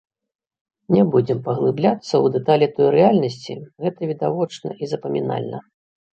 Не будзем паглыбляцца ў дэталі той рэальнасці, гэта відавочна і запамінальна.